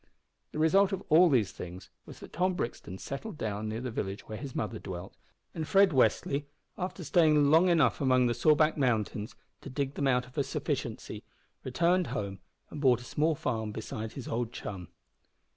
The result of all these things was that Tom Brixton settled down near the village where his mother dwelt, and Fred Westly, after staying long enough among the Sawback Mountains to dig out of them a sufficiency, returned home and bought a small farm beside his old chum.